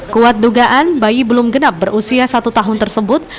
kuat dugaan bayi belum genap berusia satu tahun tersebut